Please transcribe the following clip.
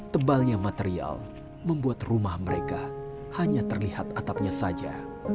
tebalnya material membuat rumah mereka hanya terlihat atapnya saja